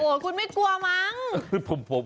โอ้ยคุณไม่กลัวมั้ง